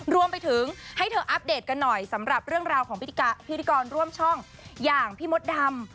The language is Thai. รวมไปถึงให้เธออัปเดตกันหน่อยสำหรับเรื่องราวของพิธีกรร่วมช่องอย่างพี่มดดำ